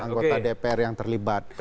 anggota dpr yang terlibat